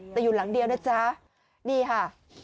แต่อยู่หลังเดียวนะจ๊ะนี่ค่ะ